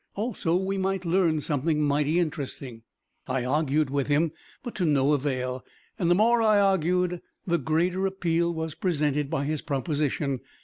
Also we might learn something mighty interesting." I argued with him, but to no avail. And the more I argued, the greater appeal was presented by his proposition.